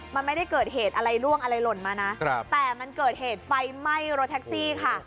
มันไม่ได้เกิดเหตุอะไรร่วงอะไรหล่นมานะแต่มันเกิดเหตุไฟไหม้รถแท็กซี่ค่ะ